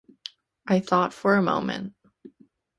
I thought for a moment.